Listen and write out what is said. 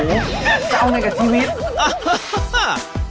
ว่าก็จะเอาไหมกับทีวิต